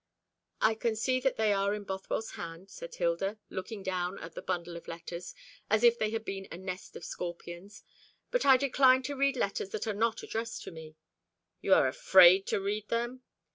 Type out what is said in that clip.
"I can see that they are in Bothwell's hand," said Hilda, looking down at the bundle of letters, as if they had been a nest of scorpions; "but I decline to read letters that are not addressed to me." "You are afraid to read them?"